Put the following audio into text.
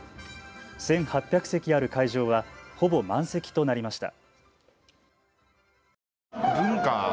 席ある会場はほぼ満席となりました。